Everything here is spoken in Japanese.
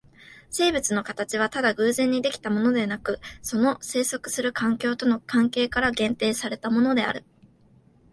生物の形はただ偶然に出来たものでなく、その棲息する環境との関係から限定されたものである。